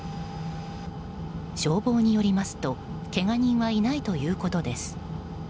消防によりますとけが人はいないということです。